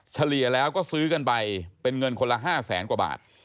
เฉลี่ยแล้วก็ซื้อกันไปเป็นเงินคนละ๕แสนกว่าบาท